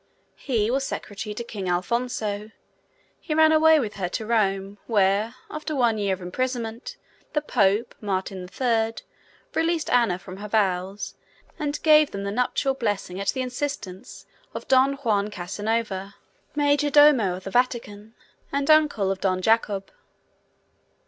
He was secretary to King Alfonso. He ran away with her to Rome, where, after one year of imprisonment, the pope, Martin III., released Anna from her vows, and gave them the nuptial blessing at the instance of Don Juan Casanova, majordomo of the Vatican, and uncle of Don Jacob.